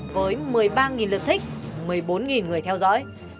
với một mươi ba lượt thích một mươi bốn người theo dõi